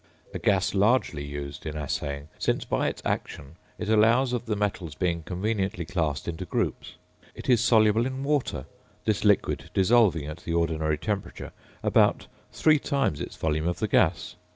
A gas largely used in assaying, since by its action it allows of the metals being conveniently classed into groups. It is soluble in water, this liquid dissolving at the ordinary temperature about three times its volume of the gas.